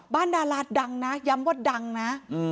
บ้านดาลาศดังนะย้ำว่าดังนะ